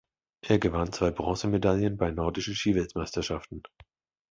Er gewann zwei Bronzemedaillen bei Nordischen Skiweltmeisterschaften.